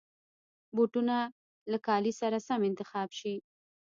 بوټونه له کالي سره سم انتخاب شي.